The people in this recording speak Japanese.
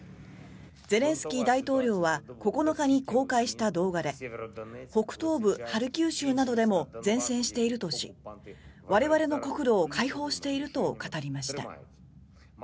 ゼレンスキー大統領は９日に公開した動画で北東部ハルキウ州などでも善戦しているとし我々の国土を解放していると語りました。